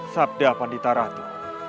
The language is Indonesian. sabda pandita ratu